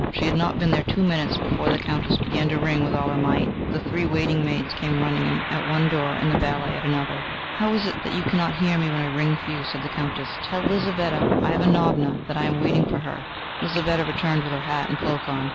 She had not been there two minutes, before the Countess began to ring with all her might. The three waiting maids came running in at one door and the valet at another. "How is it that you cannot hear me when I ring for you?" said the Countess. "Tell Lizaveta Ivanovna that I am waiting for her." Lizaveta returned with her hat and cloak on.